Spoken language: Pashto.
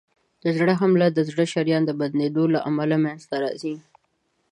د زړه حمله د زړه د شریان د بندېدو له امله منځته راځي.